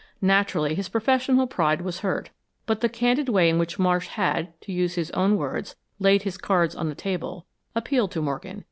Naturally, his professional pride was hurt, but the candid way in which Marsh had, to use his own words, laid his cards on the table, appealed to Morgan.